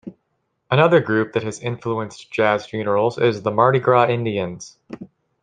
Another group that has influenced jazz funerals is the Mardi Gras Indians.